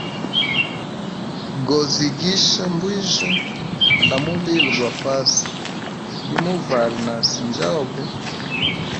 Gozigisha mbwijya na mulilo gwa pasi, nimuvala nasi njobe.